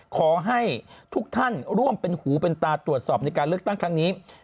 ขอให้ทุกท่านร่วมเป็นหูเป็นตาตรวจสอบในการเลือกตั้งครั้งนี้